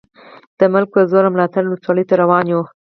د ملک په زور او ملاتړ ولسوالۍ ته روان یو.